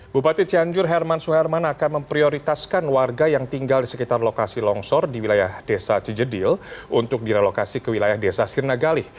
bupati cianjur herman suherman akan memprioritaskan warga yang tinggal di sekitar lokasi longsor di wilayah desa cijedil untuk direlokasi ke wilayah desa sirnagali